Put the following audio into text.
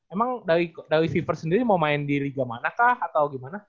emang dari viver sendiri mau main di liga manakah atau gimana